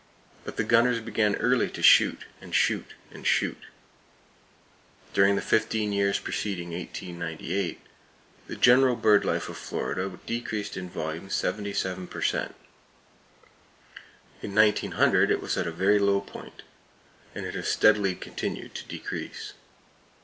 But the gunners began early to shoot, and shoot, and shoot. During the fifteen years preceding 1898, the general bird life of Florida decreased in volume 77 per cent. In 1900 it was at a very low point, and it has steadily continued to decrease.